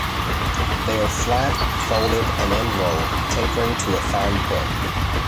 They are flat, folded, and inrolled, tapering to a fine point.